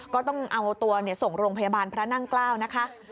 ก็ต้องเอาตัวส่งโรงพยาบาลพระนั่งเกล้านะคะ